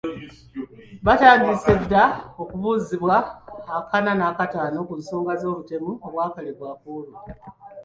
Baatandise dda okubuuzibwa ak'ana n’ak'ataano ku nsonga z’obutemu obwakolebwa ku olwo.